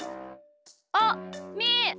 あっみー！